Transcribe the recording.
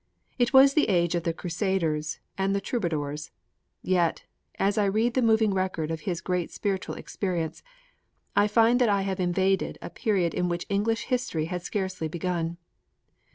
It was the age of the Crusaders and the Troubadours. Yet, as I read the moving record of his great spiritual experience, I forget that I have invaded a period in which English history had scarcely begun.